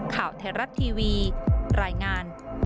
ข่าวเทราะทีวีรายงาน